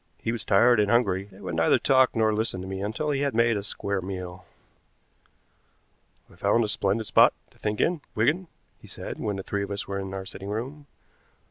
He was tired and hungry, and would neither talk nor listen to me until he had made a square meal. "I found a splendid spot to think in, Wigan," he said, when the three of us were in our sitting room.